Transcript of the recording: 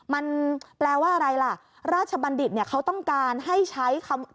มันแปลว่าอะไรล่ะราชบัณฑิตเนี่ยเขาต้องการให้ใช้คำ